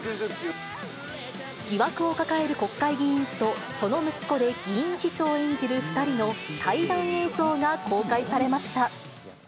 疑惑を抱える国会議員とその息子で議員秘書を演じる２人の対談映像が公開されました。